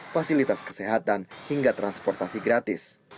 fasilitas kesehatan hingga transportasi gratis